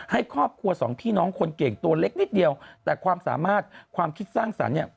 ให้ครอบครัวสองพี่น้องคนเก่งตัวเล็กนิดเดียวแต่ความสามารถความคิดสร้างสรรค์เนี่ย